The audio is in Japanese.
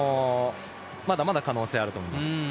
まだまだ可能性があると思います。